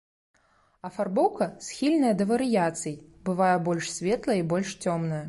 Афарбоўка схільная да варыяцый, бывае больш светлая і больш цёмная.